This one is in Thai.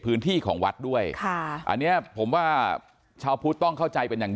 พื้นที่ของวัดด้วยค่ะอันเนี้ยผมว่าชาวพุทธต้องเข้าใจเป็นอย่าง